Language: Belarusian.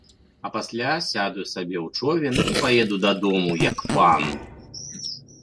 А пасля сяду сабе ў човен і паеду дадому, як пан.